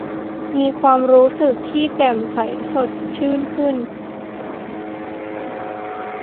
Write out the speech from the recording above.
มีความรู้สึกที่แจ่มใสสดชื่นขึ้น